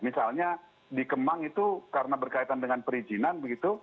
misalnya di kemang itu karena berkaitan dengan perizinan begitu